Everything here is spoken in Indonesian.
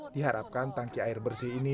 diharapkan tangki air bersih ini